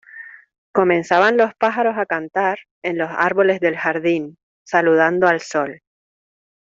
comenzaban los pájaros a cantar en los árboles del jardín, saludando al sol